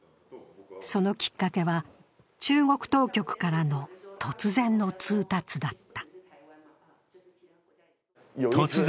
そのきっかけは、中国当局からの突然の通達だった。